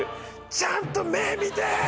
「ちゃんと目見て！